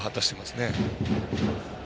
果たしていますね。